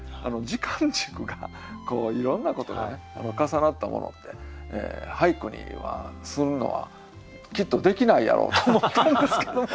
時間軸がいろんなことがね重なったものって俳句にするのはきっとできないやろうと思ったんですけども。